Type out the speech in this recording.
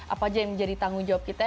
apa aja yang menjadi tanggung jawab kita